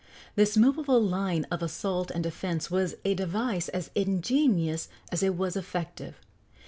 This movable line of assault and defence was a device as ingenious as it was effective.